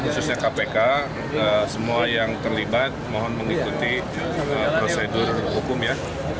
khususnya kpk semua yang terlibat mohon mengikuti prosedur hukum ya